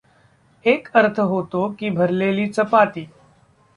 एक अर्थ होतो की भरलेली चपाती.